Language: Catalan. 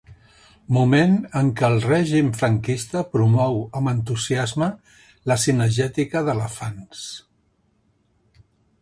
Moment en què el règim franquista promou amb entusiasme la cinegètica d'elefants.